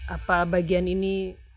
apa bagian ini